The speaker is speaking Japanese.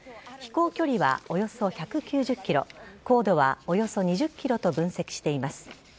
飛行距離はおよそ１９０ｋｍ高度はおよそ２０ｋｍと分析しています。